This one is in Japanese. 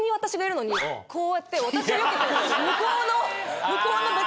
こうやって。